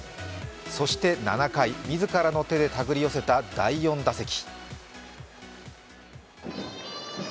そして７回、自らの手で手繰り寄せた第４打席。